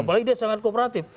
apalagi dia sangat kooperatif